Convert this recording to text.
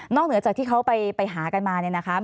เหนือจากที่เขาไปหากันมาเนี่ยนะครับ